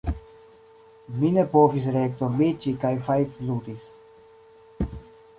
Mi ne povis reekdormiĝi kaj fajfludis.